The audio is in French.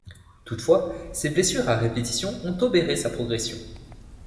Toutefois, ses blessures à répétition ont obéré sa progression.